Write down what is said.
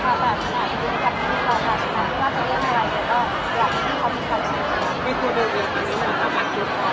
แต่ว่าคือเรามีตัวความต่างขนาดนี้ให้กันมาตลอดค่ะ